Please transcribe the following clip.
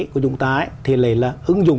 của chúng ta thì lại là ứng dụng